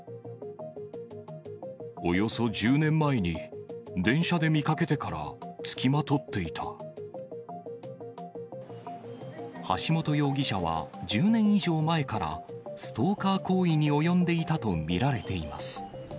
およそ１０年前に電車で見か橋本容疑者は１０年以上前から、ストーカー行為に及んでいたと見られています。